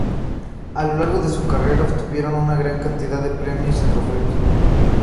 A lo largo de su carrera obtuvieron una gran cantidad de premios y trofeos.